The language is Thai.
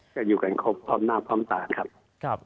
ก็อยู่กันครบพร้อมหน้าพร้อมตาครับ